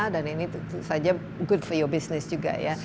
dan ini tentu saja good for your business juga ya